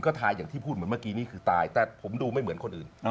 ก็ถ่ายอย่างที่พูดเหมือนเมื่อกี้นี่คือตายแต่ผมดูไม่เหมือนคนอื่น